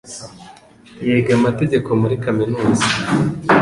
Yiga amategeko muri kaminuza.